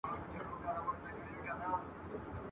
کال په کال خزانېدلای رژېدلای !.